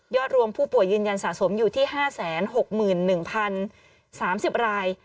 รวมผู้ป่วยยืนยันสะสมอยู่ที่๕๖๑๐๓๐ราย